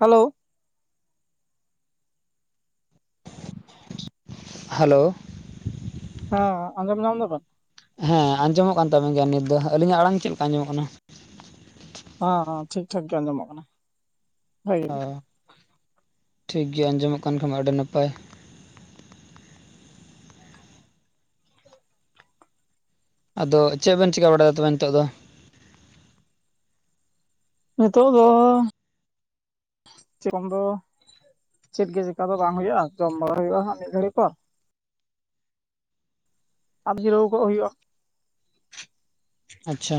Hello hello ᱦᱮᱸ ᱟᱸᱡᱚᱢ ᱧᱟᱢ ᱫᱟᱵᱮᱱ? ᱦᱮᱸ ᱟᱸᱡᱚᱢᱚᱜ ᱠᱟᱱ ᱛᱟᱵᱮᱱ ᱜᱮᱭᱟ ᱱᱤᱛ ᱫᱚ ᱦᱟᱸᱜ ᱟᱹᱞᱤᱧᱟᱜ ᱟᱲᱟᱝ ᱪᱮᱫ ᱞᱮᱠᱟ ᱟᱸᱡᱚᱢᱚᱜ ᱠᱟᱱᱟ? ᱦᱮᱸ ᱦᱮᱸ ᱴᱷᱤᱠ ᱴᱷᱟᱠ ᱜᱮ ᱟᱸᱡᱚᱢᱚᱜ ᱠᱟᱱᱟ ᱵᱷᱟᱜᱤ ᱚ ᱜᱮ ᱴᱷᱤᱠ ᱜᱮ ᱟᱸᱡᱚᱢᱚᱜ ᱠᱟᱱ ᱠᱷᱟᱱ ᱟᱹᱰᱤ ᱱᱟᱯᱟᱭ ᱟᱫᱚ ᱪᱮᱫ ᱵᱮᱱ ᱪᱤᱠᱟᱹ ᱵᱟᱲᱟᱭ ᱛᱮ ᱱᱤᱛᱚᱜ ᱫᱚ? ᱱᱤᱛᱚᱜ ᱫᱚᱻ ᱪᱮᱠᱚᱢ ᱫᱚ ᱪᱮᱫ ᱜᱮ ᱪᱮᱠᱟ ᱫᱚ ᱵᱟᱝ ᱦᱩᱭᱩᱜᱼᱟ ᱡᱚᱢ ᱵᱟᱲᱟᱭ ᱦᱩᱭᱩᱜᱼᱟ ᱦᱟᱸ ᱢᱤᱫ ᱜᱷᱟᱹᱲᱤ ᱯᱚᱨ ᱟᱫᱚ ᱡᱤᱨᱟᱹᱣ ᱠᱚᱜ ᱦᱩᱭᱩᱜᱼᱟ ᱟᱪᱪᱷᱟ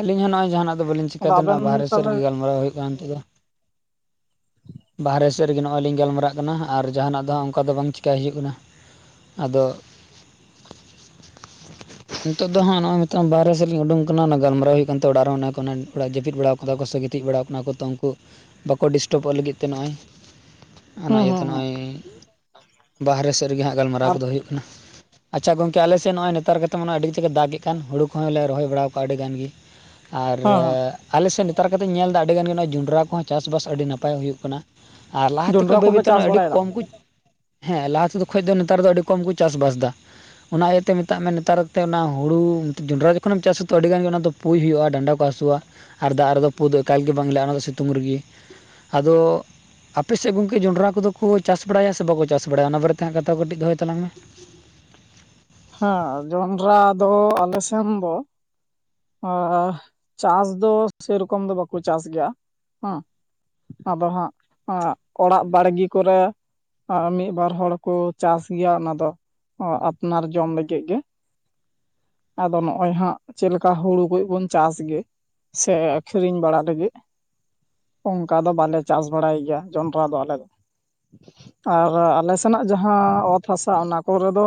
ᱟᱹᱞᱤᱧ ᱦᱚᱸ ᱱᱚᱜᱼᱚᱭ ᱡᱟᱦᱟᱱᱟᱜ ᱫᱚ ᱵᱟᱹᱞᱤᱧ ᱪᱤᱠᱟᱹ ᱟᱫᱚ ᱫᱟ ᱟᱵᱮᱱ ᱱᱚᱣᱟ ᱵᱟᱦᱨᱮ ᱥᱮᱫ ᱛᱟᱦᱚᱞᱮ ᱨᱮᱜᱮ ᱜᱟᱞᱢᱟᱨᱟᱣ ᱦᱩᱭᱩᱜ ᱠᱟᱱ ᱛᱮᱜᱮ ᱼᱼ [inaudible] ᱵᱟᱨᱦᱮ ᱥᱮᱫ ᱨᱮᱜᱮ ᱱᱚᱜᱼᱚᱭ ᱞᱤᱧ ᱜᱟᱞᱢᱟᱨᱟᱜ ᱠᱟᱱᱟ ᱟᱨ ᱡᱟᱦᱟᱱᱟᱜ ᱫᱚ ᱦᱟᱸᱜ ᱚᱝᱠᱟ ᱫᱚ ᱵᱟᱝ ᱪᱮᱠᱟᱹᱭ ᱦᱩᱭᱩᱜ ᱠᱟᱱᱟ ᱟᱫᱚ ᱱᱤᱛᱳᱜ ᱫᱚ ᱦᱟᱸᱜ ᱱᱚᱜᱼᱚᱭᱼᱼ ᱱᱤᱛᱚᱜ ᱵᱟᱨᱦᱮ ᱥᱮᱫ ᱨᱮᱧ ᱩᱰᱩᱝ ᱠᱟᱱᱟ ᱚᱱᱟ ᱜᱟᱞᱢᱟᱨᱟᱣ ᱦᱩᱭᱩᱜ ᱠᱟᱱᱛᱮ ᱚᱲᱟᱜ ᱨᱮ ᱦᱚᱸ ᱚᱱᱟ ᱚᱲᱟᱜ ᱡᱟᱹᱯᱤᱫ ᱵᱟᱲᱟᱣ ᱠᱟᱫᱟ ᱠᱚ ᱥᱮ ᱜᱤᱛᱤᱡ ᱵᱟᱲᱟᱣ ᱠᱟᱱᱟ ᱠᱚ ᱛᱚ ᱩᱝᱠᱩᱼᱼ ᱵᱟᱠᱚ ᱰᱤᱥᱴᱟᱵᱚᱜ ᱞᱟᱹᱜᱤᱫ ᱛᱮ ᱱᱚᱜᱼᱚᱭ ᱚᱱᱟ ᱦᱩᱸ ᱦᱩᱸ ᱤᱭᱟᱹᱛᱮ ᱦᱩᱸ ᱱᱚᱜᱼᱚᱭ ᱵᱟᱦᱨᱮ ᱥᱮᱫ ᱨᱮᱜᱮ ᱦᱟᱸᱜ ᱜᱟᱞᱢᱟᱨᱟᱣ ᱟᱨ ᱠᱚᱫᱚ ᱦᱩᱭᱩᱜ ᱼᱼ ᱵᱟᱜ ᱟᱪᱪᱷᱟ ᱜᱚᱝᱠᱮ ᱟᱞᱮ ᱥᱮᱫ ᱱᱚᱜᱼᱚᱭ ᱱᱮᱛᱟᱨ ᱜᱮᱛᱚ ᱢᱟᱱᱮ ᱟᱹᱰᱤ ᱡᱩᱨ ᱮ ᱫᱟᱜᱮᱜ ᱠᱟᱱ ᱦᱩᱲᱩᱼᱼ ᱠᱚᱸᱦᱚᱸ ᱞᱮ ᱨᱚᱦᱚᱭ ᱵᱟᱲᱟᱣ ᱠᱟᱜ ᱟᱹᱰᱤ ᱜᱟᱱ ᱜᱮ ᱟᱨᱻ ᱦᱮᱸ ᱦᱮᱸ ᱟᱞᱮᱥᱮᱫ ᱱᱮᱛᱟᱨ ᱠᱟᱛᱮᱧ ᱧᱮᱞ ᱫᱟ ᱟᱹᱰᱤ ᱜᱟᱱ ᱜᱮ ᱱᱚᱜᱼᱚᱭ ᱡᱚᱸᱰᱨᱟ ᱠᱚᱦᱚᱸ ᱪᱟᱥᱼᱵᱟᱥ ᱟᱹᱰᱤ ᱱᱟᱯᱟᱭ ᱦᱩᱭᱩᱜ ᱠᱟᱱᱟ᱾ ᱟᱨ ᱞᱟᱦᱟᱛᱮ ᱡᱚᱱᱰᱨᱟ ᱠᱷᱚᱡᱽ ᱵᱟᱹᱭ ᱠᱚᱯᱮ ᱵᱟᱹᱭᱛᱮ ᱪᱟᱥ ᱟᱹᱰᱤ ᱵᱟᱲᱟᱭᱮᱫᱟ ᱠᱚᱢ ᱠᱚ ᱦᱮᱸ ᱞᱟᱦᱟ ᱥᱮᱫ ᱠᱷᱚᱡᱽ ᱫᱚ ᱱᱮᱛᱟᱨ ᱫᱚ ᱟᱹᱰᱤ ᱠᱚᱢ ᱠᱚ ᱪᱟᱥᱼᱵᱟᱥ ᱫᱟ ᱚᱱᱟ ᱤᱭᱟᱹᱛᱮ ᱢᱮᱛᱟᱜ ᱢᱮ ᱱᱮᱛᱟᱨ ᱛᱮ ᱚᱱᱟ ᱦᱩᱲᱩ ᱡᱚᱱᱰᱽᱨᱟ ᱡᱚᱠᱷᱚᱱᱮᱢ ᱪᱟᱥ ᱟᱛᱚ ᱟᱹᱰᱤ ᱜᱟᱱ ᱜᱮ ᱚᱱᱟᱫᱚ ᱯᱩᱭ ᱦᱩᱭᱩᱜᱼᱟ, ᱰᱟᱸᱰᱟ ᱠᱚ ᱦᱟᱥᱩᱣᱟ᱾ ᱟᱨ ᱫᱟᱜᱽ ᱨᱮᱫᱚ ᱯᱩ ᱫᱚ ᱮᱠᱟᱞ ᱜᱮ ᱵᱟᱝ ᱞᱟ ᱟ ᱚᱱᱟᱫᱚ ᱥᱤᱛᱩᱝ ᱨᱮᱜᱤ ᱟᱫᱚ ᱟᱯᱮ ᱥᱮᱫ ᱜᱚᱝᱠᱮ ᱡᱚᱸᱰᱽᱨᱟ ᱠᱚᱫᱚ ᱠᱚ ᱪᱟᱥ ᱵᱟᱲᱟᱭᱟ ᱥᱮ ᱵᱟᱠᱚ ᱪᱟᱥ ᱵᱟᱲᱟᱭᱟ ᱚᱱᱟ ᱵᱟᱨᱮᱛᱮ ᱦᱟᱸᱜ ᱠᱟᱛᱷᱟ ᱠᱚ ᱠᱟᱹᱴᱤᱡᱽ ᱫᱚᱦᱚᱭ ᱛᱟᱞᱟᱝ ᱢᱮ᱾ ᱦᱮᱸ ᱡᱚᱱᱰᱽᱨᱟ ᱫᱚ ᱟᱞᱮ ᱥᱮᱱ ᱫᱚ ᱟ ᱦᱟ ᱪᱟᱥ ᱫᱚ ᱥᱮᱨᱚᱠᱚᱢ ᱫᱚ ᱵᱟᱠᱚ ᱪᱟᱥ ᱜᱮᱭᱟ ᱦᱮᱸ ᱟᱫᱚ ᱦᱟᱸᱜ ᱚᱲᱟᱜ ᱵᱟᱲᱜᱤ ᱠᱚᱨᱮ ᱟᱸ ᱢᱤᱫ ᱵᱟᱨ ᱦᱚᱲ ᱠᱚ ᱪᱟᱥ ᱜᱮᱭᱟ ᱚᱱᱟᱫᱚ ᱚ ᱟᱯᱱᱟᱨ ᱡᱚᱢ ᱞᱟᱹᱜᱤᱫ ᱜᱮ ᱟᱫᱚ ᱱᱚᱜᱼᱚᱭ ᱦᱟᱸᱜ ᱪᱮᱫ ᱠᱟ ᱦᱩᱲᱩ ᱠᱚᱵᱚᱱ ᱪᱟᱥ ᱜᱮ ᱥᱮ ᱟᱸᱠᱷᱨᱤᱧ ᱵᱟᱲᱟ ᱞᱟᱹᱜᱤᱫ ᱚᱝᱠᱟ ᱫᱚ ᱵᱟᱞᱮ ᱪᱟᱥ ᱵᱟᱲᱟᱭ ᱜᱮᱭᱟ ᱡᱚᱱᱰᱽᱨᱟ ᱫᱚ ᱟᱞᱮ ᱫᱚ ᱟᱨ ᱟᱞᱮ ᱥᱮᱱᱟᱜ ᱡᱟᱦᱟᱸ ᱚᱛ ᱦᱟᱥᱟ ᱚᱱᱟ ᱠᱚᱨᱮ ᱫᱚ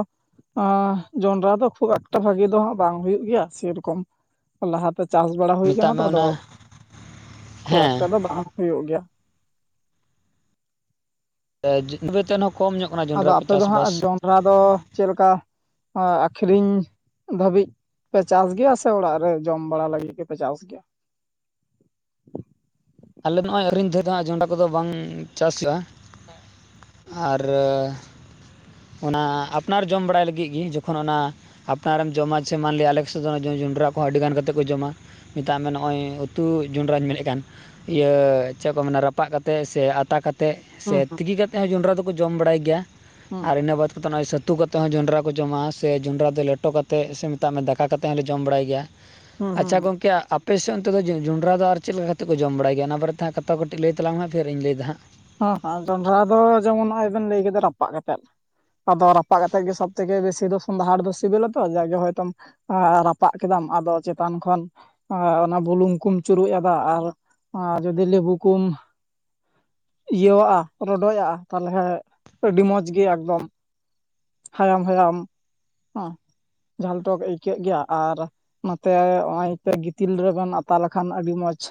ᱟᱸ ᱡᱚᱸᱰᱽᱨᱟ ᱫᱚ ᱠᱷᱩᱵ ᱮᱠᱴᱟ ᱵᱷᱟᱜᱤ ᱫᱚ ᱦᱟᱸᱜ ᱵᱟᱝ ᱦᱩᱭᱩᱜ ᱜᱮᱭᱟ ᱥᱮᱨᱚᱠᱚᱢ ᱞᱟᱦᱟᱛᱮ ᱪᱟᱥ ᱵᱟᱲᱟ ᱦᱩᱭ ᱢᱮᱛᱟᱜ ᱠᱟᱱᱟ ᱢᱮ ᱛᱚ ᱟᱫᱚ ᱚᱱᱟ ᱠᱷᱩᱵ ᱦᱮᱸ ᱮᱠᱴᱟ ᱫᱚ ᱵᱟᱝ ᱦᱩᱭᱩᱜ ᱜᱮᱭᱟ᱾ [unintelligible] ᱦᱚᱸ ᱠᱚᱢ ᱧᱚᱜ ᱠᱟᱱᱟ ᱡᱚᱱᱰᱽᱨᱟ ᱠᱚ ᱪᱟᱥᱼᱵᱟᱥ ᱚᱱᱟ ᱫᱚ ᱪᱮᱞᱠᱟ ᱟᱸᱠᱷᱨᱤᱧ ᱫᱷᱟᱹᱵᱤᱡᱽ ᱯᱮ ᱪᱟᱥ ᱜᱮᱭᱟ ᱥᱮ ᱚᱲᱟᱜ ᱨᱮ ᱡᱚᱢ ᱵᱟᱲᱟ ᱞᱟᱹᱜᱤᱫ ᱜᱮᱯᱮ ᱪᱟᱥ ᱜᱮᱭᱟ? ᱟᱞᱮ ᱫᱚ ᱱᱚᱸᱜ-ᱚᱭ ᱟᱹᱠᱷᱨᱤᱧ ᱫᱟᱹᱨ ᱫᱚ ᱡᱚᱱᱰᱨᱟ ᱠᱚᱫᱚ ᱵᱟᱝ ᱪᱟᱥ ᱦᱩᱭᱩᱜᱼᱟ᱾ ᱟᱨ ᱚᱱᱟ ᱟᱯᱱᱟᱨ ᱡᱚᱢ ᱵᱟᱲᱟᱭ ᱞᱟᱹᱜᱤᱫ ᱜᱤ ᱡᱚᱠᱷᱚᱱ ᱚᱱᱟ ᱟᱯᱱᱟᱨᱮᱢ ᱡᱚᱢᱟ ᱥᱮ ᱢᱟᱱᱞᱤᱭᱟ ᱟᱞᱮ ᱠᱚᱥᱮᱫ ᱫᱚ ᱡᱚ-ᱡᱚᱱᱰᱨᱟ ᱠᱚᱦᱚᱸ ᱟᱹᱰᱤ ᱜᱟᱱ ᱠᱟᱛᱮᱫ ᱠᱚ ᱡᱚᱢᱟ᱾ ᱢᱮᱛᱟᱜ ᱢᱮ ᱱᱚᱜᱼᱚᱭ ᱩᱛᱩ ᱡᱚᱸᱰᱨᱟᱧ ᱢᱮᱱᱮᱫ ᱠᱟᱱ᱾ ᱤᱭᱟᱹ ᱪᱮᱫ ᱠᱚ ᱢᱮᱱᱟ ᱨᱟᱯᱟᱜ ᱠᱟᱛᱮ ᱥᱮ ᱟᱛᱟ ᱠᱟᱛ ᱛᱮᱫ ᱥᱮ ᱦᱩᱸ ᱦᱩᱸ ᱛᱤᱠᱤ ᱠᱟᱛᱮᱫ ᱦᱚᱸ ᱡᱚᱸᱰᱨᱟ ᱫᱚᱠᱚ ᱡᱚᱢ ᱵᱟᱲᱟᱭ ᱜᱮᱭᱟ᱾ ᱦᱩᱸ ᱟᱨ ᱤᱱᱟᱹ ᱵᱟᱫᱽ ᱠᱟᱛᱮᱫ ᱱᱚᱜᱼᱚᱭ ᱥᱟᱹᱛᱩ ᱠᱟᱛᱮ ᱦᱚᱸ ᱡᱚᱸᱰᱨᱟ ᱠᱚ ᱡᱚᱢᱟ ᱥᱮ ᱡᱚᱸᱰᱨᱟ ᱫᱚ ᱞᱮᱴᱚ ᱠᱟᱛᱮᱫ ᱥᱮ ᱢᱮᱛᱟᱜ ᱢᱮ ᱫᱟᱠᱟ ᱠᱟᱛᱮᱫ ᱦᱚᱸᱞᱮ ᱡᱚᱢ ᱵᱟᱲᱟᱭ ᱜᱮᱭᱟ᱾ ᱦᱩᱸ ᱦᱩᱸ ᱟᱪᱪᱷᱟ ᱜᱚᱝᱠᱮ ᱟᱯ ᱯᱮᱥᱫ ᱚᱱᱛᱮ ᱫᱚ ᱡᱚ-ᱡᱚᱸᱰᱨᱟ ᱫᱚ ᱟᱨ ᱪᱮᱫ ᱞᱮᱠᱟ ᱠᱟᱛᱮ ᱠᱚ ᱡᱚᱢ ᱵᱟᱲᱟᱭ ᱜᱮᱭᱟ? ᱚᱱᱟ ᱵᱟᱨᱮ ᱛᱮ ᱦᱟᱸᱜ ᱠᱟᱛᱟ ᱠᱟᱹᱴᱤᱡᱽ ᱞᱟᱹᱭ ᱛᱟᱞᱟᱝ ᱢᱮ ᱯᱷᱮᱨ ᱤᱧ ᱞᱟᱹᱭ ᱫᱟ ᱦᱟᱸᱜ᱾ ᱦᱮᱸ ᱦᱮᱸ ᱡᱚᱱᱰᱨᱟ ᱫᱚ ᱡᱮᱢᱚᱱ ᱱᱚᱜ-ᱚᱭ ᱵᱮᱱ ᱞᱟᱹᱭ ᱠᱮᱫᱟ ᱨᱟᱯᱟᱜ ᱠᱟᱛᱮᱫ᱾ ᱟᱫᱚ ᱨᱟᱯᱟᱜ ᱠᱟᱛᱮᱜ ᱜᱮ ᱥᱚᱵ ᱛᱷᱮᱠᱮ ᱵᱮᱥᱤ ᱫᱚ ᱥᱚᱸᱫᱷᱟᱲ ᱫᱚ ᱥᱤᱵᱤᱞᱟ ᱛᱚ ᱡᱟᱜᱮ ᱦᱚᱭᱛᱚᱢ ᱟᱨ ᱨᱟᱯᱟᱜ ᱠᱮᱫᱟᱢ ᱟᱫᱚ ᱪᱮᱛᱟᱱ ᱠᱷᱚᱱ ᱟᱨ ᱚᱱᱟ ᱵᱩᱞᱩᱝ ᱠᱩᱢ ᱪᱩᱨᱩᱡ ᱟᱫᱟ, ᱟᱨ-ᱟᱨ ᱡᱩᱫᱤ ᱞᱤᱵᱩ ᱠᱚᱢ ᱤᱭᱟᱹᱣᱟᱜᱼᱟ ᱨᱚᱰᱚᱭᱟᱜᱼᱟ ᱛᱟᱦᱚᱞᱮ ᱟᱹᱰᱤ ᱢᱚᱸᱡᱽ ᱜᱮ ᱮᱠᱫᱚᱢ ᱦᱟᱭᱟᱢ ᱦᱟᱭᱟᱢ ᱦᱮᱸ ᱡᱷᱟᱞ ᱴᱚᱠ ᱟᱹᱭᱠᱟᱹᱜ ᱜᱮᱭᱟ ᱟᱨ ᱱᱚᱛᱮ ᱱᱚᱜᱼᱚᱭ ᱛᱮ ᱜᱤᱛᱤᱞ ᱨᱮᱵᱮᱱ ᱟᱛᱟ ᱞᱮᱠᱷᱟᱱ ᱟᱹᱰᱤ ᱢᱚᱸᱡᱷ᱾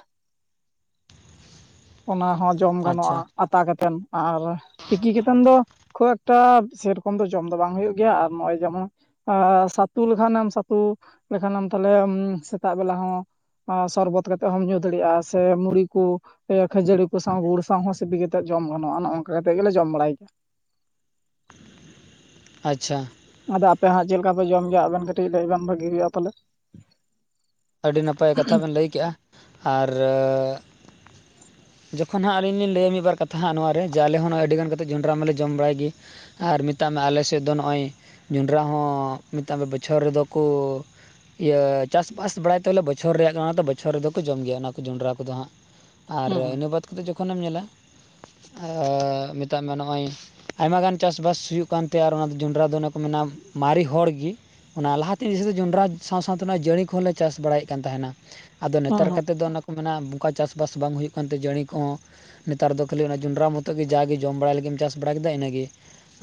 ᱚᱱᱟ ᱦᱚᱸ ᱡᱚᱢ ᱜᱟᱱᱚᱜᱼᱟ ᱟᱪᱪᱷᱟ ᱟᱛᱟ ᱠᱟᱛᱮᱱ ᱟᱨ ᱛᱤᱠᱤ ᱠᱟᱛᱮᱱ ᱫᱚ ᱠᱷᱩᱵ ᱮᱠᱴᱟ ᱥᱮᱨᱚᱠᱚᱢ ᱫᱚ ᱡᱚᱢ ᱫᱚ ᱵᱟᱝ ᱦᱩᱭᱩᱜ ᱜᱮᱭᱟ ᱟᱨ ᱱᱚᱜᱼᱚᱭ ᱡᱮᱢᱚᱱ ᱟᱨ ᱥᱟᱹᱛᱩ ᱞᱮᱠᱷᱟᱱᱮᱢ ᱥᱟᱹᱛᱩ ᱞᱮᱠᱷᱟᱱᱮᱢ ᱛᱟᱦᱞᱮ ᱩᱢ ᱥᱮᱛᱟᱜ ᱵᱮᱞᱟ ᱦᱚᱸ ᱥᱚᱨᱵᱚᱛ ᱠᱟᱛᱮᱜ ᱦᱚᱢ ᱧᱩ ᱫᱟᱲᱮᱭᱟᱜᱼᱟ᱾ ᱥᱮ ᱢᱩᱨᱤ ᱠᱚ ᱠᱷᱟᱹᱡᱟᱹᱲᱤ ᱠᱚ ᱥᱟᱶ ᱜᱩᱲ ᱥᱟᱶ ᱦᱚᱸ ᱥᱤᱯᱤ ᱠᱟᱛᱮᱫ ᱡᱚᱢ ᱜᱟᱱᱚᱜᱼᱟ ᱚᱱᱚ-ᱚᱱᱠᱟ ᱠᱟᱛᱮ ᱜᱮᱞᱮ ᱡᱚᱢ ᱵᱟᱲᱟᱭ ᱜᱮᱭᱟ᱾ ᱟᱪᱪᱷᱟ ᱟᱫᱚ ᱟᱯᱮ ᱦᱟᱸᱜ ᱪᱮᱫ ᱞᱮᱠᱟᱯᱮ ᱡᱚᱢ ᱜᱮᱭᱟ? ᱟᱵᱮᱱ ᱠᱟᱹᱴᱤᱡᱽ ᱞᱟᱹᱭ ᱵᱮᱱ ᱵᱷᱟᱜᱤ ᱦᱩᱭᱩᱜᱼᱟ ᱛᱟᱦᱚᱞᱮ᱾ ᱟᱹᱰᱤ ᱱᱟᱯᱟᱭ ᱠᱟᱛᱷᱟ ᱵᱮᱱ ᱞᱟᱹᱭ ᱠᱮᱜᱼᱟ, ᱟᱨᱻ ᱡᱚᱠᱷᱚᱱ ᱦᱟᱸᱜ ᱟᱹᱞᱤᱧ ᱞᱤᱧ ᱞᱟᱹᱭᱟ ᱢᱤᱫ ᱵᱟᱨ ᱠᱟᱛᱷᱟ ᱦᱟᱸᱜ ᱱᱚᱣᱟ ᱨᱮ ᱡᱮ, ᱟᱞᱮ ᱦᱚᱸ ᱱᱚᱜ-ᱚᱭ ᱟᱹᱰᱤ ᱜᱟᱱ ᱠᱟᱛᱮᱫ ᱡᱚᱸᱰᱨᱟ ᱢᱟᱞᱮ ᱡᱚᱢ ᱵᱟᱲᱟᱭ ᱜᱤ ᱟᱨ ᱢᱮᱛᱟᱜ ᱢᱮ ᱟᱞᱮ ᱥᱮᱫ ᱫᱚ ᱱᱚᱜᱼᱚᱭ ᱡᱚᱸᱰᱨᱟ ᱦᱚᱸ ᱢᱮᱛᱟᱜ ᱢᱮ ᱵᱚᱪᱷᱚᱨ ᱨᱮᱫᱚ ᱠᱚ ᱤᱭᱟᱹ ᱪᱟᱥᱼᱵᱟᱥ ᱵᱟᱲᱟᱭ ᱛᱚᱞᱮ ᱵᱚᱪᱷᱚᱨ ᱨᱮᱭᱟᱜ ᱠᱟᱱᱟ ᱛᱚ ᱵᱚᱪᱷᱚᱨ ᱨᱮᱫᱚ ᱠᱚ ᱡᱚᱢ ᱜᱮᱭᱟ ᱚᱱᱟ ᱠᱚ ᱡᱚᱸᱰᱨᱟ ᱠᱚᱫᱚ ᱦᱟᱸᱜ ᱟᱨ ᱦᱩᱸ ᱤᱱᱟᱹ ᱵᱟᱛ ᱠᱟᱛᱮᱫ ᱡᱚᱠᱷᱚᱱᱮᱢ ᱧᱮᱞᱟ ᱟᱻ ᱢᱮᱛᱟᱜ ᱢᱮ ᱱᱚᱜᱼᱚᱭ ᱟᱭᱢᱟ ᱜᱟᱱ ᱪᱟᱥᱵᱟᱥ ᱦᱩᱭᱩᱜ ᱠᱟᱱ ᱛᱮ ᱟᱨ ᱚᱱᱟ ᱫᱚ ᱡᱚᱱᱰᱨᱟ ᱫᱚ ᱚᱱᱮ ᱠᱚ ᱢᱮᱱᱟ ᱢᱟᱨᱤ ᱦᱚᱲ ᱜᱤ ᱚᱱᱟ ᱞᱟᱦᱟ ᱛᱤᱥ ᱡᱚᱱᱰᱨᱟ ᱥᱟᱶ ᱥᱟᱶᱛᱮ ᱚᱱᱟ ᱡᱟᱹᱲᱤ ᱠᱚᱦᱚᱸ ᱞᱮ ᱪᱟᱥ ᱵᱟᱲᱟᱭᱮᱫ ᱠᱟᱱ ᱛᱟᱦᱮᱱᱟ᱾ ᱟᱫᱚ ᱦᱩᱸ ᱱᱮᱛᱟᱨ ᱦᱩᱸ ᱠᱟᱛᱮᱫ ᱫᱚ ᱚᱱᱟ ᱚᱝᱠᱟ ᱪᱟᱥᱵᱟᱥ ᱵᱟᱝ ᱦᱩᱭᱩᱜ ᱠᱟᱱ ᱛᱮ ᱡᱟᱹᱲᱤ ᱠᱚᱦᱚᱸ ᱱᱮᱛᱟᱨ ᱫᱚ ᱠᱷᱟᱹᱞᱤ ᱚᱱᱟ ᱡᱚᱸᱰᱨᱟ ᱢᱚᱛᱚ ᱜᱤ ᱡᱟ ᱜᱤ ᱡᱚᱢ ᱵᱟᱲᱟᱭ ᱞᱟᱹᱜᱤᱫ ᱮᱢ ᱪᱟᱥ ᱵᱟᱲᱟ ᱠᱮᱫᱟ ᱤᱱᱟᱹᱜᱮ᱾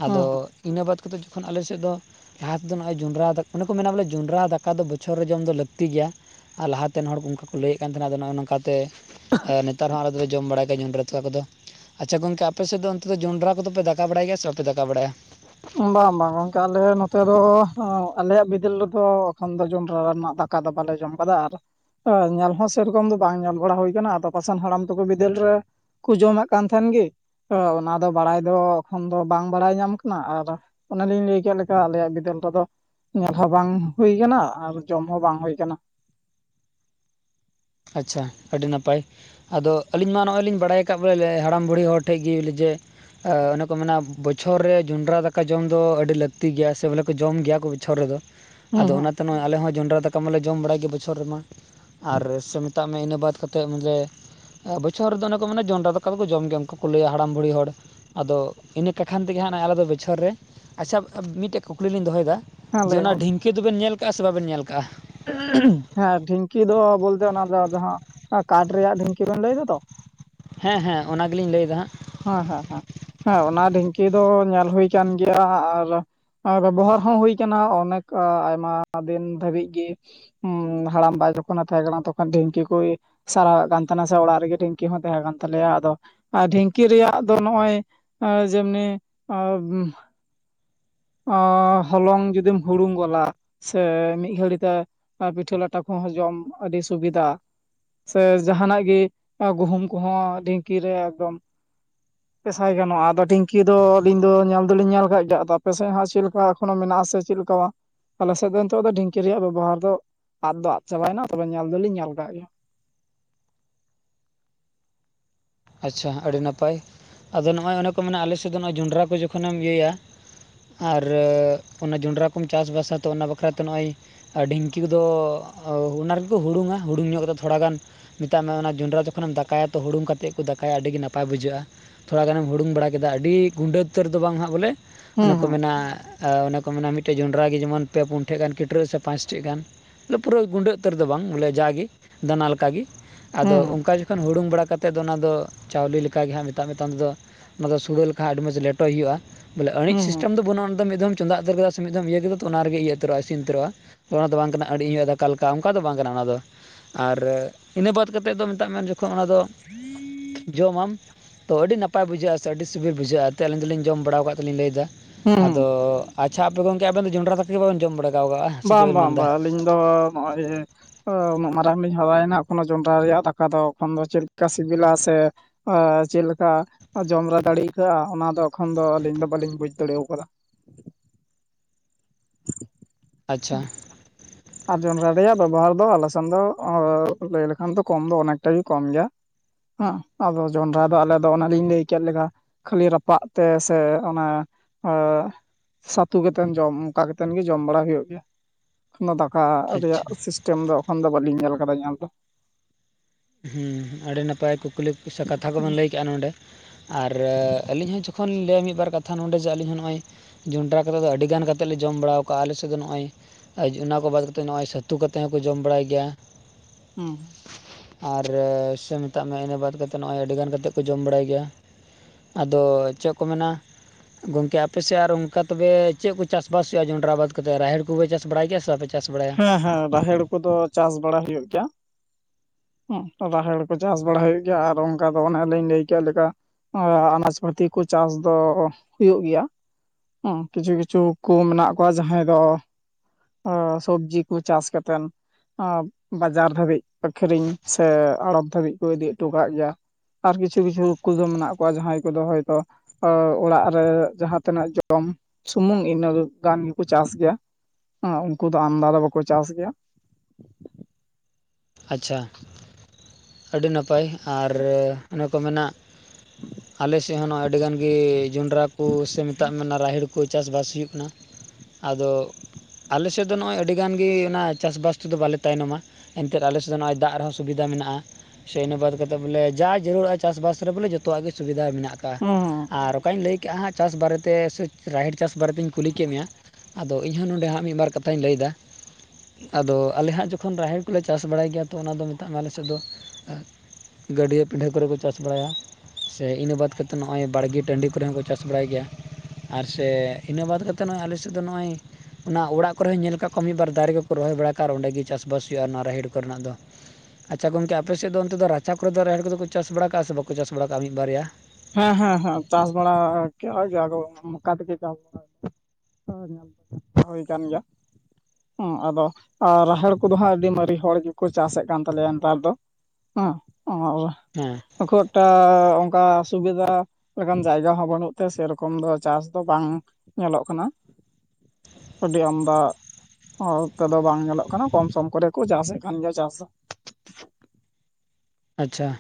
ᱦᱩᱸ ᱟᱫᱚ ᱤᱱᱟᱹ ᱵᱟᱫ ᱠᱟᱛᱮᱫ ᱡᱚᱠᱷᱚᱱ ᱟᱞᱮ ᱥᱮᱫ ᱫᱚ ᱞᱟᱦᱟ ᱛᱮ ᱫᱚ ᱱᱚᱜ-ᱚᱭ ᱡᱚᱸᱰᱨᱟ ᱫᱟᱠ ᱚᱱᱮ ᱠᱚ ᱢᱮᱱᱟ ᱵᱚᱞᱮ ᱡᱚᱸᱰᱨᱟ ᱫᱟᱠᱟ ᱫᱚ ᱵᱚᱪᱷᱚᱨ ᱨᱮ ᱡᱚᱢ ᱫᱚ ᱞᱟᱹᱠ ᱛᱤ ᱜᱮᱭᱟ, ᱟᱨ ᱞᱟᱦᱟᱛᱮᱱ ᱦᱚᱲ ᱠᱚ ᱚᱝᱠᱟ ᱠᱚ ᱞᱟᱹᱭᱮᱫ ᱠᱟᱱ ᱛᱟᱦᱮᱱᱟ ᱟᱫᱚ ᱱᱚᱜᱼᱚᱭ ᱱᱚᱝᱠᱟ ᱛᱮ ᱟᱨ ᱱᱮᱛᱟᱨ ᱦᱚᱸ ᱟᱞᱮ ᱫᱚᱞᱮ ᱡᱚᱢ ᱵᱟᱲᱟᱭ ᱫᱟ ᱡᱚᱸᱰᱨᱟ ᱛᱚᱣᱟ ᱠᱚᱫᱚ᱾ ᱟᱪᱪᱷᱟ ᱜᱚᱝᱠᱮ ᱟᱯᱮ ᱥᱮᱫ ᱫᱚ ᱚᱱᱛᱮ ᱫᱚ ᱡᱚᱸᱰᱨᱟ ᱠᱚᱫᱚ ᱯᱮ ᱫᱟᱠᱟ ᱵᱟᱲᱟᱭ ᱜᱮᱭᱟ ᱥᱮ ᱵᱟᱯᱮ ᱫᱟᱠᱟ ᱵᱟᱲᱟᱭᱟ? ᱵᱟᱝ ᱵᱟᱝ ᱜᱚᱝᱠᱮ ᱟᱞᱮ ᱱᱚᱛᱮ ᱫᱚ ᱟᱞᱮᱭᱟᱜ ᱵᱤᱫᱟᱹᱞ ᱨᱮᱫᱚ ᱮᱠᱷᱚᱱ ᱫᱚ ᱡᱚᱱᱰᱨᱟ ᱨᱮᱱᱟᱜ ᱫᱟᱠ ᱠᱟ ᱫᱚ ᱵᱟᱞᱮ ᱡᱚᱢ ᱠᱟᱫᱟ ᱟᱨ ᱧᱮᱞ ᱦᱚᱸ ᱥᱮᱨᱚᱠᱚᱢ ᱫᱚ ᱵᱟᱝ ᱧᱮᱞ ᱵᱟᱲᱟ ᱦᱩᱭ ᱠᱟᱱᱟ, ᱟᱫᱚ ᱯᱟᱥᱟᱱ ᱦᱟᱲᱟᱢ ᱛᱟᱠᱚ ᱵᱤᱫᱟᱹᱞ ᱨᱮ ᱠᱩ ᱡᱚᱢᱮᱜ ᱠᱟᱱ ᱛᱟᱦᱮᱱ ᱜᱤ ᱚᱱᱟ ᱫᱚ ᱵᱟᱲᱟᱭ ᱫᱚ ᱮᱠᱷᱚᱱ ᱫᱚ ᱵᱟᱝ ᱵᱟᱲᱟᱭ ᱧᱟᱢ ᱠᱟᱱᱟ᱾ ᱟᱨ ᱚᱱᱮ ᱞᱤᱧ ᱞᱟᱹᱭ ᱠᱮᱫ ᱞᱮᱠᱟ ᱟᱞᱮᱭᱟᱜ ᱵᱤᱫᱟᱹᱞ ᱨᱮᱫᱚ ᱧᱮᱞ ᱦᱚᱸ ᱵᱟᱝ ᱦᱩᱭ ᱠᱟᱱᱟ ᱟᱨ ᱡᱚᱢ ᱦᱚᱸ ᱵᱟᱝ ᱦᱳᱭ ᱠᱟᱱᱟ᱾ ᱟᱪᱪᱷᱟ, ᱟᱹᱰᱤ ᱱᱟᱯᱟᱭ᱾ ᱟᱫᱚ ᱟᱹᱞᱤᱧ ᱢᱟ ᱱᱚᱜᱼᱚᱭ ᱞᱤᱧ ᱵᱟᱲᱟᱭ ᱟᱠᱟᱫ ᱵᱚᱞᱮ ᱦᱟᱲᱟᱢ ᱵᱩᱲᱦᱤ ᱦᱚᱲ ᱴᱷᱮᱡ ᱜᱮ ᱞᱮ ᱡᱮ ᱚᱱᱮ ᱠᱚ ᱢᱮᱱᱟ ᱵᱚᱪᱷᱚᱨ ᱨᱮ ᱡᱚᱸᱰᱨᱟ ᱫᱟᱠᱟ ᱡᱚᱢ ᱫᱚ ᱟᱹᱰᱤ ᱞᱟᱹᱠᱛᱤ ᱜᱮᱭᱟ ᱥᱮ ᱵᱚᱞᱮ ᱠᱚ ᱡᱚᱢ ᱜᱮᱭᱟ ᱠᱚ ᱵᱚᱪᱷᱚᱨ ᱨᱮᱫᱚ᱾ ᱦᱩᱸ ᱟᱫᱚ ᱦᱩᱸ ᱚᱱᱟᱛᱮ ᱱᱚᱜᱼᱚᱭ ᱟᱞᱮ ᱦᱚᱸ ᱡᱚᱸᱰᱨᱟ ᱫᱟᱠᱟ ᱢᱟᱞᱮ ᱡᱚᱢ ᱵᱟᱲᱟᱭ ᱜᱮᱭᱟ ᱵᱚᱪᱷᱚᱨ ᱨᱮᱢᱟ᱾ᱟᱨ ᱥᱮ ᱢᱮᱛᱟᱜ ᱢᱮ ᱤᱱᱟᱹ ᱵᱟᱫᱽ ᱠᱟᱛᱮᱫ ᱢᱮᱞᱮ ᱵᱚᱪᱷᱚᱨ ᱨᱮᱫᱚ ᱚᱱᱮ ᱠᱚ ᱢᱮᱱᱟ ᱡᱚᱱᱰᱨᱟ ᱫᱟᱠᱟ ᱫᱚᱠᱚ ᱡᱚᱢ ᱜᱮᱭᱟ ᱚᱝᱠᱟ ᱠᱚ ᱞᱟᱹᱭᱟ ᱦᱟᱲᱟᱢ ᱵᱩᱲᱦᱤ ᱦᱚᱲ ᱟᱫᱚ ᱤᱱᱟᱹ ᱠᱟ ᱠᱷᱟᱱ ᱛᱮᱜᱮ ᱦᱟᱸᱜ ᱱᱟᱭ ᱟᱞᱮ ᱫᱚ ᱵᱚᱪᱷᱚᱨ ᱨᱮ ᱟᱪᱷᱟ ᱢᱤᱴᱮ ᱠᱩᱠᱞᱤ ᱞᱤᱧ ᱫᱚᱦᱚ ᱭᱮᱫᱟ ᱦᱮᱸ ᱡᱮ ᱞᱟᱹᱭ ᱚᱱᱟ ᱢᱮ ᱰᱷᱤᱝᱠᱤ ᱫᱚᱵᱮᱱ ᱧᱮᱞ ᱠᱟᱜᱼᱟ ᱥᱮ ᱵᱟᱵᱮᱱ ᱧᱮᱞ ᱠᱟᱜᱼᱟ ᱦᱮᱸ ᱰᱷᱤᱝᱠᱤ ᱫᱚ ᱵᱚᱞᱛᱮ ᱚᱱᱟ ᱫᱚ ᱟᱫᱚ ᱦᱟᱸᱜ ᱠᱟᱴ ᱨᱮᱭᱟᱜ ᱰᱷᱤᱝᱠᱤ ᱵᱮᱱ ᱞᱟᱹᱭ ᱫᱟᱛᱚ ᱦᱮᱸ ᱦᱮᱸ ᱚᱱᱟ ᱜᱮᱞᱤᱧ ᱞᱟᱹᱭᱫᱟ ᱦᱟᱸᱜ ᱦᱮᱸ ᱦᱮᱸ ᱦᱮᱸ ᱦᱮᱸ ᱚᱱᱟ ᱰᱷᱤᱝᱠᱤ ᱫᱚ ᱧᱮᱞ ᱦᱩᱭ ᱠᱟᱱ ᱜᱮᱭᱟ ᱟᱨ ᱵᱮᱵᱚᱦᱟᱨ ᱦᱚᱸ ᱦᱩᱭ ᱠᱟᱱᱟ ᱚᱱᱮᱠ ᱟᱭᱢᱟ ᱫᱤᱱ ᱫᱷᱟᱵᱤᱡ ᱜᱮ ᱤᱢ ᱦᱟᱲᱟᱢ ᱵᱟᱭ ᱡᱚᱠᱷᱚᱱᱮ ᱛᱟᱦᱮᱸ ᱠᱟᱱᱟ ᱛᱚᱠᱷᱚᱱ ᱰᱷᱤᱝᱠᱤ ᱠᱩᱭ ᱥᱟᱨᱟᱣᱮᱜ ᱠᱟᱱ ᱛᱟᱦᱮᱱᱟ ᱥᱮ ᱚᱲᱟᱜ ᱨᱮᱜᱮ ᱰᱷᱤᱝᱠᱤ ᱦᱚᱸ ᱛᱟᱦᱮᱸ ᱠᱟᱱ ᱛᱟᱞᱮᱭᱟ ᱟᱫᱚ ᱰᱷᱤᱝ ᱠᱤ ᱨᱮᱭᱟᱜ ᱫᱚ ᱱᱚᱜᱼᱚᱭ ᱡᱮᱢᱱᱤ ᱦᱚᱞᱚᱝ ᱡᱩᱫᱤᱢ ᱦᱩᱲᱩᱝ ᱜᱚᱞᱟ ᱥᱮ ᱢᱤᱫ ᱜᱷᱟᱹᱲᱤ ᱛᱮ ᱟᱨ ᱯᱤᱴᱷᱟᱹ ᱞᱟᱴᱦᱟ ᱠᱚᱦᱚᱸ ᱡᱚᱢ ᱟᱹᱰᱤ ᱥᱩᱵᱤᱫᱷᱟ ᱥᱮ ᱡᱟᱦᱟ ᱱᱟᱜ ᱜᱮᱷᱤ ᱜᱩᱦᱩᱢ ᱠᱚᱦᱚᱸ ᱰᱷᱤᱝᱠᱤ ᱨᱮ ᱮᱠᱫᱚᱢ ᱯᱥᱟᱭ ᱜᱟᱱᱚᱜᱼᱟ ᱟᱫᱚ ᱴᱤᱝᱠᱤ ᱫᱚ ᱟᱹᱞᱤᱧ ᱫᱚ ᱧᱮᱞ ᱫᱚᱞᱤᱧ ᱧᱮᱞ ᱟᱠᱟᱜ ᱜᱮᱭᱟ ᱟᱯᱮ ᱥᱮᱡ ᱦᱟᱸᱜ ᱪᱮᱷᱤᱫ ᱞᱮᱠᱟ ᱮᱠᱷᱚᱱᱚ ᱟᱥᱮ ᱪᱤᱫ ᱞᱮᱠᱟ ᱵᱟᱝ ᱟᱞᱮᱥᱮᱫ ᱫᱚ ᱱᱤᱛᱚᱜ ᱫᱚ ᱰᱷᱤᱝᱠᱤ ᱨᱮᱭᱟᱜ ᱵᱮᱵᱚᱦᱟᱨ ᱫᱚ ᱟᱫ ᱫᱚ ᱟᱫ ᱪᱟᱵᱟᱭᱱᱟ ᱛᱚᱵᱮ ᱧᱮᱞ ᱫᱚᱞᱤᱧ ᱧᱮᱞ ᱠᱟᱜ ᱜᱮᱭᱟ ᱟᱪᱷᱟ ᱟᱹᱰᱤ ᱱᱟᱯᱟᱭ ᱟᱫᱚ ᱱᱚᱜᱼᱚᱭ ᱚᱱᱮ ᱠᱚ ᱢᱮᱱᱟ ᱟᱞᱮᱥᱮᱫ ᱫᱚ ᱱᱚᱜᱼᱚᱭ ᱡᱚᱸᱰᱨᱟ ᱠᱚ ᱡᱚᱠᱷᱚᱱᱮᱢ ᱤᱭᱟᱹᱭᱟ ᱟᱨ ᱚᱱᱟ ᱡᱚᱸᱰᱨᱟ ᱠᱚᱢ ᱪᱟᱥ ᱵᱟᱥᱟ ᱛᱚ ᱚᱱᱟ ᱵᱟᱠᱷᱨᱟ ᱛᱮ ᱱᱚᱜᱼᱚᱭ ᱟᱨ ᱰᱷᱤᱝᱠᱤ ᱠᱚᱫᱚ ᱚᱱᱟ ᱨᱤᱜᱤ ᱠᱚ ᱦᱩᱲᱩᱝᱟ ᱦᱩᱲᱩᱝ ᱧᱚᱜ ᱠᱟᱛᱮᱫ ᱛᱷᱚᱲᱟ ᱜᱟᱱ ᱢᱮᱛᱟᱜ ᱢᱮ ᱚᱱᱟ ᱡᱚᱸᱰᱨᱟ ᱡᱚᱠᱷᱚᱱᱮᱢ ᱫᱟᱠᱟᱭᱟ ᱛᱚ ᱦᱩᱲᱩᱝ ᱠᱟᱛᱮᱫ ᱠᱩ ᱫᱟᱠᱟᱭᱟ ᱟᱹᱰᱤ ᱜᱮ ᱱᱟᱯᱟᱭ ᱵᱩᱡᱷᱟᱹᱜᱼᱟ ᱛᱷᱚᱲᱟ ᱜᱟᱱᱮᱢ ᱦᱩᱲᱩᱝ ᱵᱟᱲᱟ ᱠᱮᱫᱟ ᱟᱹᱰᱤ ᱜᱩᱸᱰᱟᱹ ᱩᱛᱟᱹᱨ ᱫᱚ ᱵᱟᱝ ᱦᱟᱸᱜ ᱵᱚᱞᱮ ᱦᱩᱸ ᱚᱱᱮ ᱠᱚ ᱦᱩᱸ ᱢᱮᱱᱟ ᱟ ᱚᱱᱮ ᱠᱚ ᱢᱮᱱᱟ ᱢᱤᱴᱮᱡ ᱡᱚᱸᱰᱨᱟ ᱜᱤ ᱡᱮᱢᱚᱱ ᱯᱮ ᱯᱩᱱ ᱴᱷᱮ ᱜᱟᱱ ᱠᱤᱴᱨᱟᱹᱜ ᱥᱮ ᱯᱟᱸᱪ ᱴᱷᱮᱡ ᱜᱟᱱ ᱯᱩᱨᱟᱹ ᱜᱩᱸᱰᱟᱹ ᱩᱛᱟᱹᱨ ᱫᱚ ᱵᱟᱝ ᱵᱚᱞᱮ ᱡᱟ ᱜᱤ ᱫᱟᱱᱟ ᱞᱮᱠᱟᱜᱤ ᱟᱫᱚ ᱦᱩᱸ ᱦᱩᱸ ᱚᱝᱠᱟ ᱡᱚᱠᱷᱚᱱ ᱦᱩᱲᱩᱝ ᱵᱟᱲᱟ ᱠᱟᱛᱮᱫ ᱫᱚ ᱚᱱᱟ ᱫᱚ ᱪᱟᱣᱞᱤ ᱞᱮᱠᱟᱜᱮ ᱦᱟᱸᱜ ᱢᱮᱛᱟᱜ ᱢᱮ ᱛᱚ ᱚᱱᱟ ᱫᱚ ᱥᱩᱲᱟᱹ ᱞᱮᱠᱷᱟ ᱦᱟᱸᱜ ᱟᱹᱰᱤ ᱢᱚᱡᱽ ᱞᱮᱴᱚᱭ ᱦᱩᱭᱩᱜ ᱟ ᱵᱚᱞᱮ ᱟᱹᱬᱤᱡ ᱦᱩᱸ ᱥᱤᱥᱴᱮᱢ ᱫᱚ ᱵᱟᱹᱱᱩᱜ ᱚᱱᱟ ᱫᱚ ᱢᱤᱫᱷᱟᱣᱮᱢ ᱪᱚᱸᱫᱟ ᱩᱛᱟᱹᱨ ᱠᱮᱫᱟ ᱥᱮ ᱢᱤᱫᱷᱟᱢ ᱤᱭᱟᱹ ᱠᱮᱫᱟ ᱛᱚ ᱚᱱᱟ ᱨᱮ ᱜᱮ ᱤᱭᱟᱹ ᱩᱛᱟᱹᱨᱚᱜᱼᱟ ᱤᱥᱤᱱ ᱩᱛᱟᱹᱨᱚᱜᱼᱟ ᱚᱱᱟ ᱫᱚ ᱵᱟᱝ ᱠᱟᱱᱟ ᱟᱹᱲᱤᱡ ᱦᱩᱭᱩᱜᱼᱟ ᱫᱟᱠᱟ ᱞᱮᱠᱟ ᱚᱱᱠᱟ ᱫᱚ ᱵᱟᱝ ᱠᱟᱱᱟ ᱚᱱᱟ ᱫᱚ ᱟᱨ ᱤᱱᱟᱹ ᱵᱟᱫᱽ ᱠᱟᱛᱮᱫ ᱫᱚ ᱢᱮᱛᱟᱜ ᱢᱮ ᱡᱚᱠᱷᱚ ᱚᱱᱟᱫᱚ [inaudible] ᱡᱚᱢᱟᱢ ᱛᱚ ᱟᱹᱰᱤ ᱱᱟᱯᱟᱭ ᱵᱩᱡᱷᱟᱹᱜᱼᱟ ᱥᱮ ᱟᱹᱰᱤ ᱥᱤᱵᱤᱞ ᱵᱩᱡᱷᱟᱹᱜᱼᱟ ᱛᱮ ᱟᱹᱞᱤᱧ ᱫᱚᱞᱤᱧ ᱡᱚᱢ ᱵᱟᱲᱟᱣ ᱟᱠᱟᱫ ᱛᱮᱞᱤᱧ ᱞᱟᱹᱭᱫᱟ ᱦᱩᱸ ᱦᱩᱸ ᱟᱫᱚ ᱟᱪᱷᱟ ᱟᱯᱮ ᱜᱚᱢᱠᱮ ᱟᱵᱮᱱ ᱫᱚ ᱡᱚᱸᱰᱨᱟ ᱫᱟᱠᱟ ᱜᱮ ᱵᱟᱵᱮᱱ ᱡᱚᱢ ᱵᱟᱲᱟ ᱟᱠᱟᱜᱼᱟ ᱥᱮ ᱪᱮᱫ ᱵᱮᱱ ᱢᱮᱱᱫᱟ᱾ ᱛᱚ ᱱᱚᱜᱼᱚᱭ ᱡᱮ ᱩᱱᱟᱹᱜ ᱢᱟᱨᱟᱝ ᱞᱤᱧ ᱦᱚᱨᱟᱭᱮᱱᱟ ᱚᱱᱟ ᱡᱚᱱᱰᱨᱟ ᱨᱮᱭᱟᱜ ᱫᱟᱠᱟ ᱫᱚ ᱮᱠᱷᱚᱱ ᱫᱚ ᱪᱮᱫ ᱞᱮᱠᱟ ᱥᱤᱵᱤᱞᱟ ᱥᱮ ᱚᱻ ᱪᱮᱫᱞᱮᱠᱟ ᱡᱚᱢᱨᱟ ᱫᱟᱲᱮ ᱟᱹᱭᱠᱟᱜᱼᱟ ᱚᱱᱟᱫᱚ ᱮᱠᱷᱚᱱ ᱫᱚ ᱟᱹᱞᱤᱧ ᱫᱚ ᱵᱟᱹᱞᱤᱧ ᱵᱩᱡᱽ ᱫᱟᱲᱮ ᱟᱠᱟᱫᱟ᱾ ᱟᱪᱪᱷᱟ [unintelligible] ᱟᱨ ᱡᱚᱱᱰᱨᱟ ᱨᱮᱭᱟᱜ ᱵᱮᱵᱚᱦᱟᱨ ᱫᱚ ᱟᱞᱮᱥᱱ ᱫᱚ ᱞᱟᱹᱭ ᱞᱮᱠᱷᱟᱱ ᱫᱚ ᱠᱚᱢ ᱫᱚ ᱚᱱᱮᱠᱴᱟᱜ ᱜᱮ ᱠᱚᱢ ᱜᱮᱭᱟ᱾ ᱦᱮᱸ ᱟᱫᱚ ᱡᱚᱱᱰᱨᱟ ᱫᱚ ᱟᱞᱮ ᱫᱚ ᱚᱱᱮᱞᱤᱧ ᱞᱟᱹᱭ ᱠᱮᱫ ᱞᱮᱠᱟ᱾ ᱠᱷᱟᱹᱞᱤ ᱨᱟᱯᱟᱜ ᱛᱮ ᱥᱮ ᱚᱱᱮ ᱥᱟᱹᱛᱩ ᱠᱟᱛᱮᱢ ᱡᱚᱢ᱾ ᱠᱟ ᱠᱟᱛᱮᱱ ᱜᱮ ᱡᱚᱢ ᱵᱟᱲᱟ ᱦᱩᱭᱩᱜ ᱜᱮᱭᱟ ᱚᱱᱟ ᱫᱟᱠᱟ ᱨᱮᱭᱟᱜ ᱟᱪᱪᱷᱟ ᱡᱚᱢ ᱫᱚ ᱮᱠᱷᱚᱱ ᱫᱚ ᱵᱟᱹᱞᱤᱧ ᱧᱮᱞ ᱟᱠᱟᱫᱟ ᱧᱮᱞ ᱫᱚ ᱦᱮᱸ ᱟᱹᱰᱤ ᱱᱟᱯᱟᱭ ᱠᱩᱠᱞᱤ ᱠᱟᱛᱷᱟ ᱠᱚᱵᱮᱱ ᱞᱟᱹᱭ ᱠᱮᱜᱼᱟ ᱱᱚᱸᱰᱮ ᱟᱨ ᱟᱹᱞᱤᱧ ᱦᱚᱸ ᱡᱚᱠᱷᱚᱱ ᱞᱟᱹᱭᱟ ᱢᱤᱫ ᱵᱟᱨ ᱠᱟᱛᱷᱟ ᱠᱟᱛᱷᱟ ᱱᱚᱰᱮ ᱡᱮ ᱟᱞᱤᱧ ᱦᱚᱸ ᱱᱚᱜᱼᱚᱭ ᱡᱚᱱᱰᱨᱟ ᱠᱟᱛᱮᱫ ᱫᱚ ᱟᱹᱰᱤᱜᱟᱱ ᱠᱟᱛᱮᱫ ᱞᱮ ᱡᱚᱢ ᱵᱟᱲᱟᱣ ᱟᱠᱟᱜᱼᱟ ᱟᱞᱮᱥᱮᱫ ᱫᱚ ᱱᱚᱜᱼᱚᱭ ᱚᱱᱟ ᱠᱚ ᱵᱟᱫᱽ ᱠᱟᱛᱮᱫ ᱱᱚᱜᱼᱚᱭ ᱥᱟᱹᱛᱩ ᱠᱟᱛᱮ ᱦᱚᱸᱠᱚ ᱡᱚᱢ ᱵᱟᱲᱟᱭ ᱜᱮᱭᱟ᱾ ᱦᱮᱸ ᱟᱨ ᱥᱮ ᱢᱮᱛᱟᱜ ᱢᱮ ᱤᱱᱟᱹ ᱵᱟᱫᱽ ᱠᱟᱛᱮᱫ ᱱᱚᱜ ᱼᱚᱭ ᱟᱹᱰᱤ ᱜᱟᱱ ᱠᱟᱛᱮᱫ ᱠᱚ ᱡᱚᱢ ᱵᱟᱲᱟᱭ ᱜᱮᱭᱟ᱾ ᱟᱫᱚ ᱪᱮᱫ ᱠᱚ ᱢᱮᱱᱟ ᱜᱚᱝᱠᱮ ᱟᱯᱮᱥᱮᱫ ᱟᱨ ᱚᱱᱠᱟ ᱛᱚᱵᱮ ᱪᱮᱫ ᱠᱚ ᱪᱟᱥᱵᱟᱥ ᱦᱩᱭᱩᱜᱼᱟ ᱡᱚᱸᱰᱨᱟ ᱵᱟᱫᱽ ᱠᱟᱛᱮᱫ ᱨᱟᱦᱮᱲ ᱠᱚᱯᱮ ᱪᱟᱥ ᱵᱟᱲᱟᱭ ᱜᱮᱭᱟ ᱥᱮ ᱵᱟᱯᱮ ᱪᱟᱥ ᱵᱟᱲᱟᱭ ᱜᱮᱭᱟ᱾ ᱦᱮᱸ ᱦᱮᱸ ᱨᱟᱦᱮᱲ ᱠᱚᱫᱚ ᱪᱟᱥ ᱵᱟᱲᱟ ᱦᱩᱭᱩᱜ ᱜᱮᱭᱟ᱾ [unintelligible] ᱨᱟᱦᱮᱲ ᱠᱚ ᱪᱟᱥ ᱵᱟᱲᱟ ᱦᱩᱭᱩᱜ ᱜᱮᱭᱟ ᱟᱨ ᱚᱱᱠᱟ ᱫᱚ ᱚᱱᱟᱮᱞᱤᱧ ᱞᱟᱹᱭ ᱠᱮᱫ ᱞᱮᱠᱟ᱾ ᱟᱱᱟᱡᱽ ᱯᱟᱹᱛᱤ ᱠᱚ ᱪᱟᱥ ᱫᱚ ᱦᱩᱭᱩᱜ ᱜᱮᱭᱟ᱾ ᱠᱤᱪᱷᱩ ᱠᱤᱪᱷᱩ ᱠᱚ ᱢᱮᱱᱟᱜ ᱠᱚᱣᱟ ᱡᱟᱦᱟᱸᱭ ᱫᱚ ᱥᱚᱵᱽᱡᱤ ᱠᱚ ᱪᱟᱥ ᱠᱟᱛᱮᱱ ᱵᱟᱡᱟᱨ ᱫᱷᱟᱹᱵᱤᱡ ᱟᱹᱠᱷᱨᱤᱧ ᱥᱮ ᱟᱲᱚᱛ ᱫᱷᱟᱹᱵᱤᱡ ᱠᱚ ᱤᱫᱤ ᱦᱚᱴᱚ ᱠᱟᱜ ᱜᱮᱭᱟ᱾ ᱟᱨ ᱠᱤᱪᱷᱩ ᱠᱤᱪᱷᱩ ᱠᱩᱫᱚ ᱢᱮᱱᱟᱜ ᱠᱚᱣᱟ ᱡᱟᱦᱟᱸᱭ ᱠᱚᱫᱚ ᱦᱚᱭᱛᱚ ᱚᱲᱟᱜ ᱨᱮ ᱡᱟᱦᱟᱸᱛᱤᱱᱟᱹᱜ ᱡᱚᱢ ᱥᱩᱢᱩᱝ ᱤᱱᱟᱹᱜ ᱜᱟᱱ ᱜᱮᱠᱚ ᱪᱟᱥ ᱜᱮᱭᱟ᱾ ᱮ ᱩᱱᱠᱩ ᱫᱚ ᱟᱢᱫᱟ ᱫᱚ ᱵᱟᱠᱚ ᱪᱟᱥ ᱜᱮᱭᱟ᱾ ᱟᱪᱪᱷᱟ ᱟᱹᱰᱤ ᱱᱟᱯᱟᱭ ᱟᱨ ᱚᱱᱮ ᱠᱚ ᱢᱮᱱᱟ᱾ ᱟᱞᱮ ᱥᱮᱫ ᱦᱚᱸ ᱱᱚᱣᱟ ᱟᱹᱰᱤ ᱜᱟᱱ ᱜᱮ ᱡᱚᱸᱰᱨᱟ ᱠᱚ ᱥᱮ ᱢᱮᱛᱟᱜ ᱢᱮ ᱚᱱᱟ ᱨᱟᱦᱮᱲ ᱠᱚ ᱪᱟᱥᱵᱟᱥ ᱦᱩᱭᱩᱜ ᱠᱟᱱᱟ᱾ ᱟᱫᱚ ᱟᱞᱮ ᱥᱮᱫ ᱫᱚ ᱱᱚᱜᱼᱚᱭ ᱟᱹᱰᱤ ᱜᱟᱱ ᱜᱮ ᱚᱱᱟ ᱪᱟᱥᱼᱵᱟᱥ ᱛᱮᱫᱚ ᱵᱟᱞᱮ ᱛᱟᱭᱱᱚᱢᱟ᱾ ᱮᱫ ᱟᱞᱮᱥᱮᱫ ᱫᱚ ᱱᱚᱜᱼᱚᱭ ᱫᱟᱜ ᱨᱮᱦᱚᱸ ᱥᱩᱵᱤᱫᱷᱟ ᱢᱮᱱᱟᱜᱼᱟ᱾ ᱥᱮ ᱤᱱᱟᱹ ᱵᱟᱫᱽ ᱠᱟᱛᱮᱫ ᱵᱚᱞᱮ ᱡᱟ ᱡᱟᱹᱨᱩᱲᱼᱟ ᱪᱟᱥᱵᱟᱥ ᱨᱮ ᱵᱚᱞᱮ ᱡᱚᱛᱚᱣᱟᱜ ᱜᱮ ᱥᱩᱵᱤᱫᱟ ᱢᱮᱱᱟᱜ ᱦᱮᱸ [unintelligible] ᱟᱨ ᱚᱠᱟᱧ ᱞᱟᱹᱭ ᱠᱟᱜᱼᱟ ᱦᱟᱸᱜ ᱪᱟᱥ ᱵᱟᱨᱮᱛᱮ ᱥᱮ ᱨᱟᱦᱮᱲ ᱪᱟᱥ ᱵᱟᱨᱮᱛᱮᱧ ᱠᱩᱞᱤ ᱠᱮᱫ ᱢᱮᱭᱟ᱾ ᱟᱫᱚ ᱤᱧᱦᱚᱸ ᱱᱚᱸᱰᱮ ᱦᱟᱸᱜ ᱢᱤᱫ ᱵᱟᱨ ᱠᱟᱛᱷᱟᱧ ᱞᱟᱹᱭᱮᱫᱟ ᱟᱫᱚ ᱟᱞᱮ ᱦᱟᱸᱜ ᱡᱚᱠᱷᱚᱱ ᱨᱟᱦᱮᱲ ᱠᱚᱞᱮ ᱪᱟᱥ ᱵᱟᱲᱟᱭ ᱜᱮᱭᱟ ᱛᱚ ᱚᱱᱟᱫᱚ ᱢᱮᱛᱟᱜ ᱢᱮ ᱟᱞᱮᱥᱮᱫ ᱫᱚ ᱜᱟᱹᱰᱭᱟᱹ ᱯᱤᱰᱷᱟᱹ ᱠᱚᱨᱮ ᱠᱚ ᱪᱟᱥ ᱵᱟᱲᱟᱭᱟ᱾ ᱥᱮ ᱤᱱᱟᱹ ᱵᱟᱫᱽ ᱠᱟᱛᱮᱫ ᱱᱚᱜᱼᱚᱭ ᱵᱟᱲᱜᱮ ᱴᱟᱸᱰᱤ ᱠᱚᱨᱮ ᱦᱚᱸᱠᱚ ᱪᱟᱥ ᱵᱟᱲᱟᱭ ᱜᱮᱭᱟ᱾ ᱟᱨ ᱥᱮ ᱤᱱᱟᱹ ᱵᱟᱫᱽ ᱠᱟᱛᱮᱫ ᱱᱚᱜᱼᱚᱭ ᱟᱞᱮ ᱥᱮᱫ ᱫᱚ ᱱᱚᱜᱼᱚᱭ ᱚᱱᱟ ᱚᱲᱟᱜ ᱠᱚᱨᱮ ᱦᱩᱸᱧ ᱧᱮᱞ ᱟᱠᱟᱜ ᱠᱚᱣᱟ ᱢᱤᱫᱵᱟᱨ ᱫᱟᱨᱮ ᱠᱚᱠᱚ ᱨᱚᱦᱚᱭ ᱵᱟᱲᱟ ᱠᱟᱜᱼᱟ ᱚᱸᱰᱮᱜ ᱜᱮ ᱪᱟᱥᱵᱟᱥ ᱦᱩᱭᱩᱜᱼᱟ ᱚᱱᱟ ᱨᱟᱦᱮᱲ ᱠᱚᱨᱮᱱᱟᱜ ᱫᱚ ᱟᱪᱪᱷᱟ ᱜᱚᱝᱠᱮ ᱟᱯᱮᱥᱮᱫ ᱫᱚ ᱚᱱᱛᱮ ᱫᱚ ᱨᱟᱪᱟ ᱠᱚᱨᱮ ᱫᱚ ᱨᱟᱦᱮᱲ ᱠᱚᱫᱚ ᱠᱚ ᱪᱟᱥ ᱵᱟᱲᱟᱠᱟᱜᱼᱟ ᱥᱮ ᱵᱟᱠᱚ ᱪᱟᱥ ᱵᱟᱲᱟ ᱠᱟᱜᱼᱟ ᱢᱤᱫ ᱵᱟᱨᱭᱟ᱾ ᱦᱮᱸ ᱦᱮᱸ ᱦᱮᱸ ᱪᱟᱥ ᱵᱟᱲᱟ ᱠᱟᱜ ᱜᱮᱭᱟᱠᱚ ᱚᱱᱠᱟᱛᱮ ᱜᱮ ᱪᱟᱥ ᱵᱟᱲᱟ ᱦᱳᱭ ᱧᱮᱞ ᱫᱚ ᱦᱩᱭ ᱠᱟᱱ ᱜᱮᱭᱟ᱾ ᱦᱚᱸ ᱟᱫᱚ ᱨᱟᱦᱮᱲ ᱠᱚᱫᱚ ᱦᱟᱸᱜ ᱟᱹᱰᱤ ᱢᱟᱨᱮ ᱦᱚᱲ ᱜᱮᱠᱚ ᱪᱟᱥᱮᱫ ᱠᱟᱱ ᱛᱟᱞᱮᱭᱟ ᱱᱮᱛᱟᱨ ᱫᱚ ᱦᱮᱸ ᱚᱻ ᱦᱮᱸ [unintelligible] ᱚᱱᱠᱟ ᱥᱩᱵᱤᱫᱟ ᱞᱮᱠᱟᱱ ᱡᱟᱭᱜᱟ ᱦᱚᱸ ᱵᱟᱹᱱᱩᱜ ᱛᱮ ᱥᱮᱨᱚᱠᱚᱢ ᱫᱚ ᱪᱟᱥ ᱫᱚ ᱵᱟᱝ ᱧᱮᱞᱚᱜ ᱠᱟᱱᱟ ᱟᱹᱰᱤ ᱟᱢᱫᱟ [unintelligible] ᱛᱮᱫᱚ ᱫᱚ ᱵᱟᱝ ᱧᱮᱞᱚᱜ ᱠᱟᱱᱟ ᱠᱚᱢ ᱥᱚᱢ ᱠᱚᱨᱮ ᱠᱚ ᱪᱟᱥᱮᱫ ᱠᱟᱱ ᱜᱮᱭᱟ ᱪᱟᱥ ᱫᱚ ᱟᱪᱪᱷᱟ